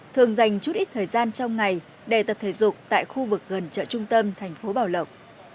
thường dành chút ít thời gian trong ngày để tập thể dục tại khu vực gần chợ trung tâm thành phố bảo lộc